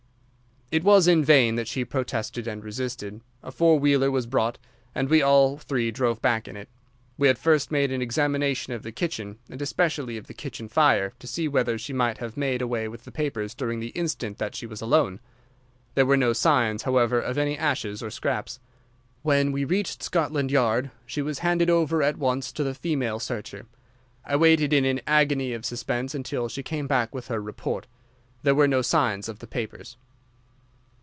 "It was in vain that she protested and resisted. A four wheeler was brought, and we all three drove back in it. We had first made an examination of the kitchen, and especially of the kitchen fire, to see whether she might have made away with the papers during the instant that she was alone. There were no signs, however, of any ashes or scraps. When we reached Scotland Yard she was handed over at once to the female searcher. I waited in an agony of suspense until she came back with her report. There were no signs of the papers.